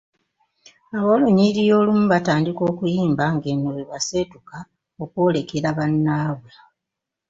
Ab’olunyiriri olumu batandika oluyimba ng’eno bwe baseetuka okwolekera bannaabwe.